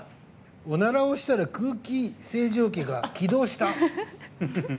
おならをしたら空気清浄機が起動した。